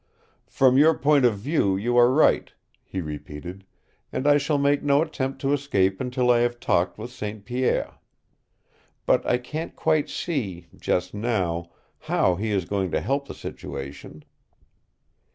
"From your point of view you are right," he repeated, "and I shall make no attempt to escape until I have talked with St. Pierre. But I can't quite see just now how he is going to help the situation."